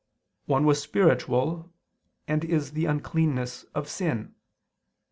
One was spiritual and is the uncleanness of sin.